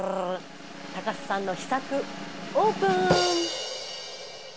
高瀬さんの秘策オープン！